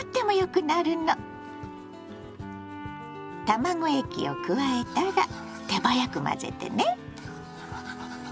卵液を加えたら手早く混ぜてね。